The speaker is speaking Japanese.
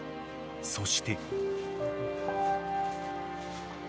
［そして］